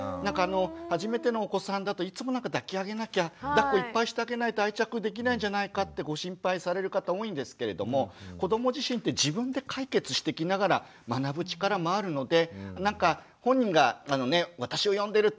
初めてのお子さんだといつもなんか抱き上げなきゃだっこいっぱいしてあげないと愛着できないんじゃないかってご心配される方多いんですけれども子ども自身って自分で解決していきながら学ぶ力もあるので本人が私を呼んでる呼んでる時って分かりますよね？